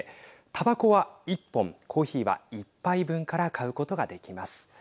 タバコは１本コーヒーは１杯分から買うことができます。